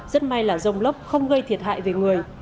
rất may là rông lốc không gây thiệt hại về người